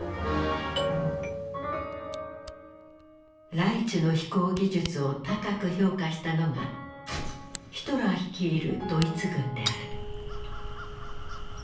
ライチュの飛行技術を高く評価したのがヒトラー率いるドイツ軍である。